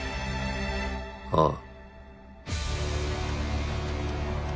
ああ。